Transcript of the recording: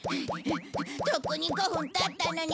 とっくに５分経ったのに。